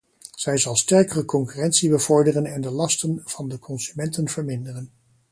Zij zal sterkere concurrentie bevorderen en de lasten van de consumenten verminderen.